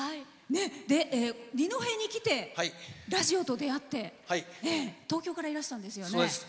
二戸に来てラジオと出会って東京からいらしたんですよね。